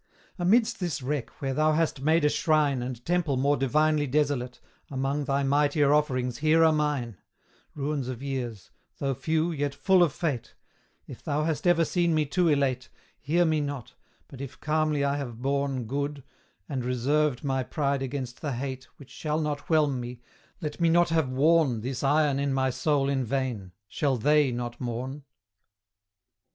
Amidst this wreck, where thou hast made a shrine And temple more divinely desolate, Among thy mightier offerings here are mine, Ruins of years though few, yet full of fate: If thou hast ever seen me too elate, Hear me not; but if calmly I have borne Good, and reserved my pride against the hate Which shall not whelm me, let me not have worn This iron in my soul in vain shall THEY not mourn?